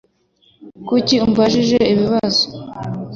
Kuki umbajije ibi bibazo?